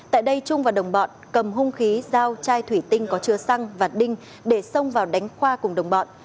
tại đây trung và đồng bọn cầm hung khí dao chai thủy tinh có chứa xăng và đinh để xông vào đánh khoa cùng đồng bọn